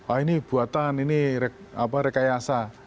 ah ini buatan ini apa rekayasa